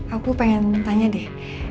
aku pengen tanya deh